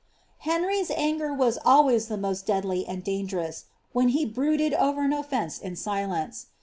Henr^'^s anger was always the most deadly and dangerous, when he brooded over an oflence in silence.